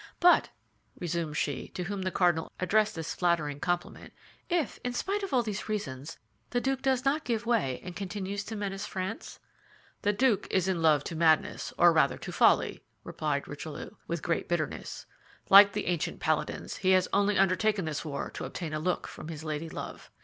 "But," resumed she to whom the cardinal addressed this flattering compliment, "if, in spite of all these reasons, the duke does not give way and continues to menace France?" "The duke is in love to madness, or rather to folly," replied Richelieu, with great bitterness. "Like the ancient paladins, he has only undertaken this war to obtain a look from his lady love.